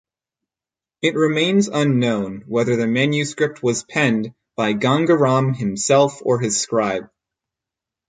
It remains unknown whether the manuscript was penned by Gangaram himself or his scribe.